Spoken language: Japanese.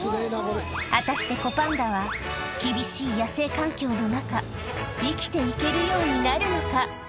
果たして子パンダは、厳しい野生環境の中、生きていけるようになるのか？